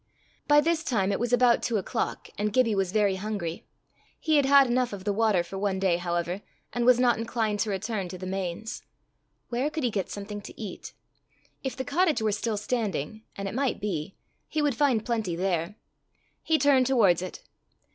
By this time it was about two o'clock, and Gibbie was very hungry. He had had enough of the water for one day, however, and was not inclined to return to the Mains. Where could he get something to eat? If the cottage were still standing and it might be he would find plenty there. He turned towards it.